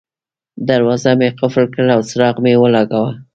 دروازه مې قلف کړه او څراغ مې ولګاوه.